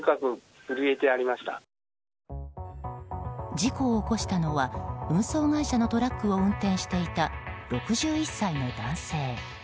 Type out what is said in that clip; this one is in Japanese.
事故を起こしたのは運送会社のトラックを運転していた６１歳の男性。